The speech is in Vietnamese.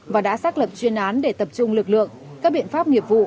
và đã xác lập chuyên án để tập trung lực lượng các biện pháp nghiệp vụ